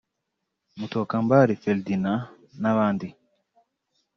Mutokambari Ferdinand n’abandi